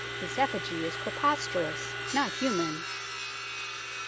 This effigy is preposterous, not human.